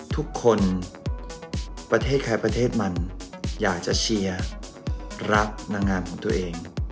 ประเทศใครประเทศมันอยากจะเชียร์รักนางงามของตัวเอง